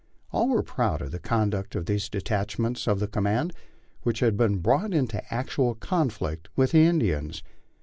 All were proud of the conduct of those de tachments of the command which had been brought into actual conflict with the Indians.